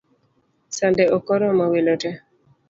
Sande ok oromo welo tee